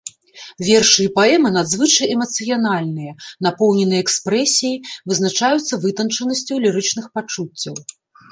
Вершы і паэмы надзвычай эмацыянальныя, напоўненыя экспрэсіяй, вызначаюцца вытанчанасцю лірычных пачуццяў.